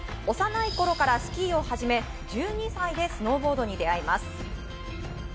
幼い頃からスキーを始め、１２歳でスノーボードに出合います。